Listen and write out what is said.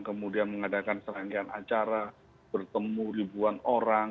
kemudian mengadakan serangkaian acara bertemu ribuan orang